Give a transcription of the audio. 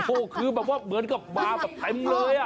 โอ้คือเหมือนกับบาร์มาเต็มเลย